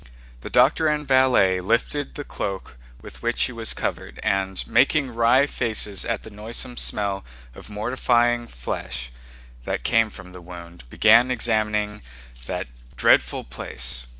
The doctor and valet lifted the cloak with which he was covered and, making wry faces at the noisome smell of mortifying flesh that came from the wound, began examining that dreadful place.